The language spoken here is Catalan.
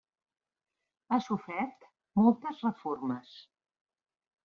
Ha sofert moltes reformes.